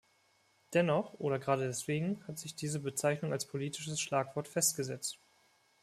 Dennoch, oder gerade deswegen, hat sich diese Bezeichnung als politisches Schlagwort festgesetzt.